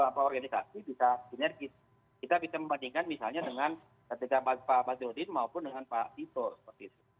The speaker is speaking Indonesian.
apa nama organisasi bisa sinergis kita bisa membandingkan misalnya dengan ketika pak tirudin maupun dengan pak tito